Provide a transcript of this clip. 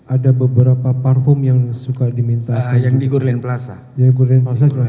ada beberapa parfum yang suka diminta yang di gurlain plaza yang kurir masalah